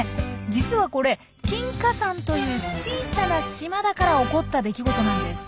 実はこれ金華山という小さな島だから起こった出来事なんです。